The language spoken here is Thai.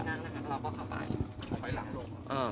ท้อยหลัง